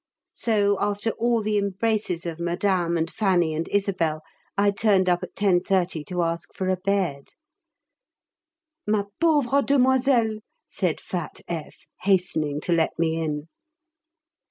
So after all the embraces of Mme. and Fanny and Isabel, I turned up at 10.30 to ask for a bed. "Ma pauvre demoiselle," said fat F., hastening to let me in.